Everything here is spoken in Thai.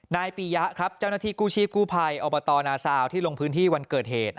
นายปียะครับเจ้าหน้าที่กู้ชีพกู้ภัยอบตนาซาวที่ลงพื้นที่วันเกิดเหตุ